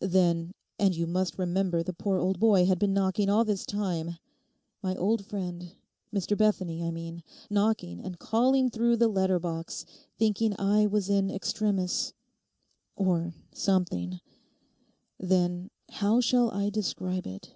'Then, and you must remember the poor old boy had been knocking all this time—my old friend—Mr Bethany, I mean—knocking and calling through the letter box, thinking I was in extremis_, or something; then—how shall I describe it?